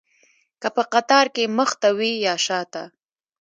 که په قطار کې مخته وي یا شاته.